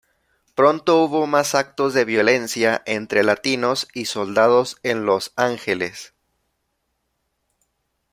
Pronto hubo más actos de violencia entre latinos y soldados en Los Ángeles.